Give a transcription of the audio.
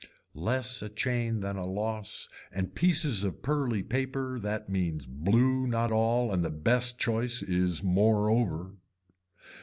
Less a chain than a loss and pieces of pearly paper that means blue not all and the best choice is moreover.